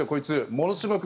ものすごく。